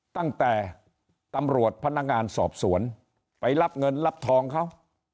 ตำรวจพนักงานสอบสวนไปรับเงินรับทองเขา